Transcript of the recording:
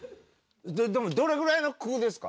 でもどれぐらいのくぅですか？